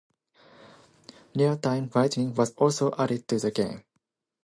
Real time lighting was also added to the game.